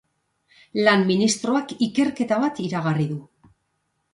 Lan ministroak ikerketa bat iragarri du.